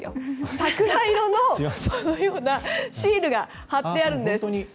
桜色の、このようなシールが貼ってあるんです。